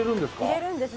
入れるんです。